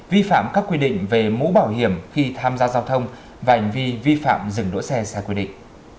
vi phạm các quy định về mũ bảo hiểm khi tham gia giao thông và hành vi vi phạm dừng đỗ xe sai quy định